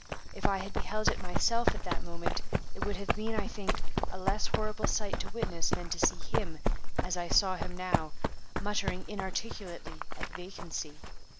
If I had beheld it myself at that moment, it would have been, I think, a less horrible sight to witness than to see him, as I saw him now, muttering inarticulately at vacancy.